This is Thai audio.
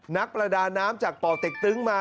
นักประดาน้ำจากป่อเต็กตึ้งมา